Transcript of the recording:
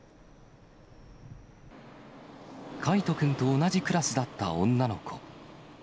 凱仁君と同じクラスだった女の子。